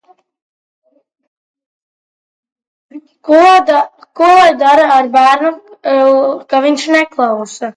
Runa ir arī par starptautiski atzītā tranzīta koridora aizsardzību Adenas līcī.